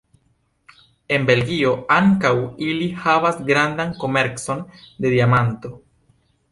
En Belgio ankaŭ ili havas grandan komercon de diamanto.